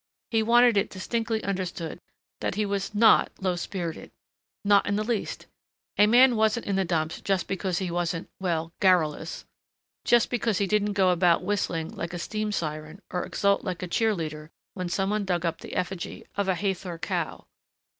He wanted it distinctly understood that he was not low spirited. Not in the least. A man wasn't in the dumps just because he wasn't well, garrulous. Just because he didn't go about whistling like a steam siren or exult like a cheer leader when some one dug up the effigy of a Hathor cow....